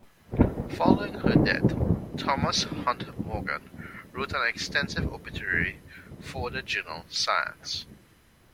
Following her death, Thomas Hunt Morgan wrote an extensive obituary for the journal "Science".